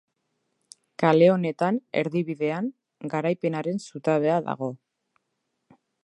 Kale honetan, erdi bidean, Garaipenaren Zutabea dago.